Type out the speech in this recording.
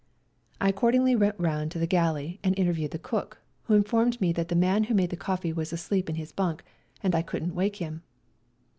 I accor dingly went round to the galley and inter viewed the cook, who informed me that the man who made the coffee was asleep in his bunk and I couldn't wake him.